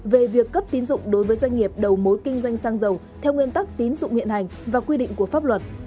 về việc cấp tín dụng đối với doanh nghiệp đầu mối kinh doanh xăng dầu theo nguyên tắc tín dụng hiện hành và quy định của pháp luật